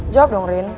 jawab dong rin